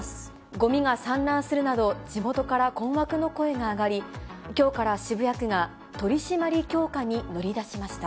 ごみが散乱するなど、地元から困惑の声が上がり、きょうから渋谷区が取締り強化に乗り出しました。